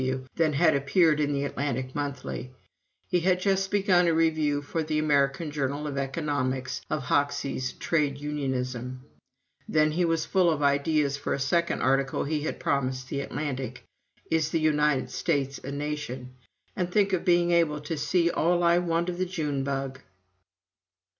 W. than had appeared in the "Atlantic Monthly"; he had just begun a review for the "American Journal of Economics" of Hoxie's "Trade Unionism." Then he was full of ideas for a second article he had promised the "Atlantic" "Is the United States a Nation?" "And think of being able to see all I want of the June Bug!"